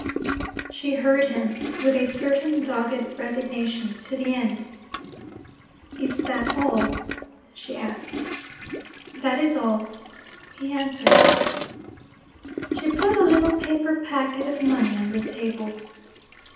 She heard him, with a certain dogged resignation, to the end. 'Is that all?' she asked. 'That is all,' he answered. She put a little paper packet of money on the table.